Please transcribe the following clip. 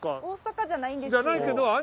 大阪じゃないんですけど。